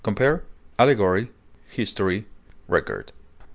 Compare ALLEGORY; HISTORY; RECORD.